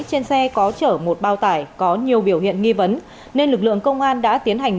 trên xe có chở một bao tải có nhiều biểu hiện nghi vấn nên lực lượng công an đã tiến hành